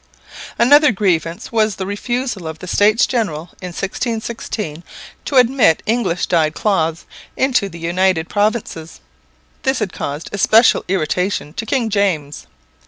Another grievance was the refusal of the States General in 1616 to admit English dyed cloths into the United Provinces. This had caused especial irritation to King James.